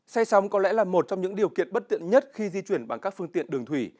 xay sóng có lẽ là một trong những điều kiện bất tiện nhất khi di chuyển bằng các phương tiện đường thủy